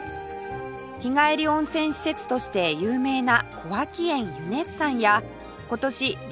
日帰り温泉施設として有名な小涌園ユネッサンや今年リニューアル